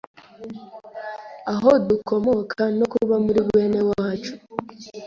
aho dukomoka no kuba muri bene wacu,